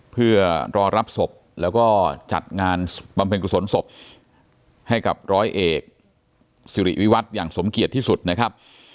เพื่อรอรับศพแล้วก็จัดงานบำเพ็ญกุศลศพให้กับร้อยเอกสิริวิวัตรอย่างสมเกียจที่สุดนะครับ